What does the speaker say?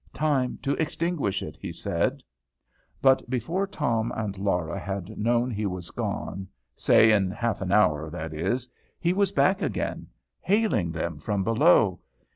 "Time to extinguish it," he said. But before Tom and Laura had known he was gone, say in half an hour, that is, he was back again, hailing them from below.